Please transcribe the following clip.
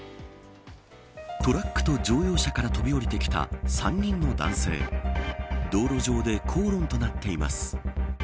トラックと乗用車から飛び降りてきた３人の男性道路上で口論となっています。